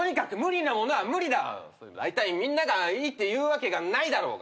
だいたいみんながいいって言うわけがないだろうが。